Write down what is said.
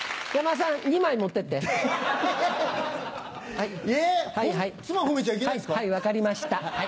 はい分かりました。